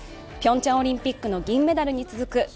ピョンチャンオリンピックの銀メダルに続く